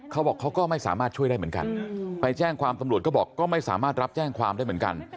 เขาก็ไม่สามารถช่วยได้เหมือนกันไปแจ้งความตำรวจก็บอกก็ไม่สามารถรับแจ้งความได้เหมือนกัน